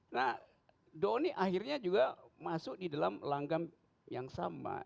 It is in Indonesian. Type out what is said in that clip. nah doni akhirnya juga masuk di dalam langgam yang sama